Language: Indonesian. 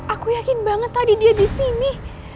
aku yakin banget tadi dia di sini